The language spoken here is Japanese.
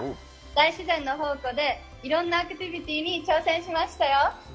大自然の宝庫で、いろんなアクティビティに挑戦しましたよ。